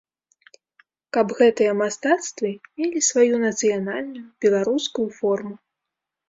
Каб гэтыя мастацтвы мелі сваю нацыянальную, беларускую форму.